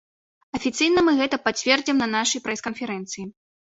Афіцыйна мы гэта пацвердзім на нашай прэс-канферэнцыі.